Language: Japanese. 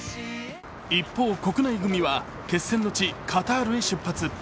一方、国内組は決戦の地・カタールへ出発。